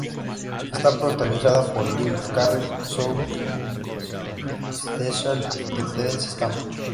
Está protagonizada por Jim Carrey, Zooey Deschanel y Terence Stamp.